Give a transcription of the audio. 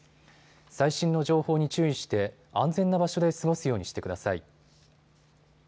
最新の情報に注意して安全な場所で過ごすようにしてください。